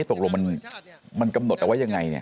ตกลงมันกำหนดเอาไว้ยังไงเนี่ย